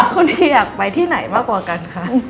คนนี้อยากไปที่ไหนมากกว่ากันคะ